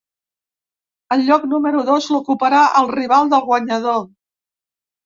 El lloc número dos l’ocuparà el rival del guanyador.